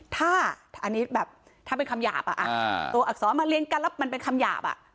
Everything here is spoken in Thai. ถ้าอันนี้แบบถ้าเป็นคำหยาบตัวอักษรมาเรียนกันแล้วมันเป็นคำหยาบอ่ะ